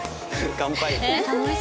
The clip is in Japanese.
乾杯！